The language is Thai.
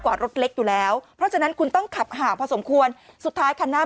รถเล็กอยู่แล้วเพราะฉะนั้นคุณต้องขับห่างพอสมควรสุดท้ายคันหน้า